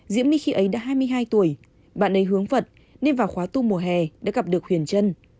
diễm my khi ấy đã hai mươi hai tuổi bạn ấy hướng vật nên vào khóa tu mùa hè đã gặp được huyền trân